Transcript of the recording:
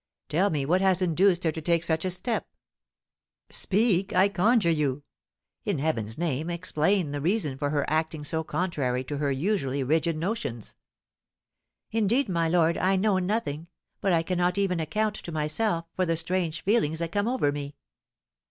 "Tell me what has induced her to take such a step! Speak, I conjure you! In heaven's name, explain the reason for her acting so contrary to her usually rigid notions!" "Indeed, my lord, I know nothing. But I cannot even account to myself for the strange feelings that come over me."